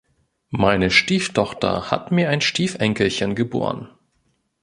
Meine Stieftochter hat mir ein Stiefenkelchen geboren.